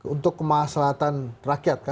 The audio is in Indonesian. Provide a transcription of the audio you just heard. untuk kemaslahatan rakyat kan